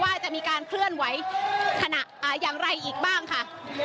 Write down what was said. ว่าจะมีการเคลื่อนไหวขณะอย่างไรอีกบ้างค่ะ